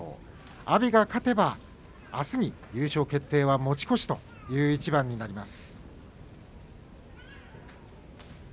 阿炎が勝てば、あすに優勝決定は持ち越しという一番です。